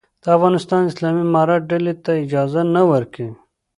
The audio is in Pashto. د افغانستان اسلامي امارت ډلې ته اجازه نه ورکوي.